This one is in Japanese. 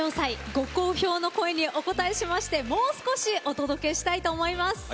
ご好評の声にお応えしましてもう少しお届けしたいと思います。